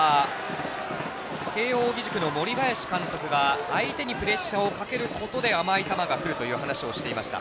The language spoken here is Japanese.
慶応義塾の森林監督は相手にプレッシャーをかけることで甘い球がくるという話をしていました。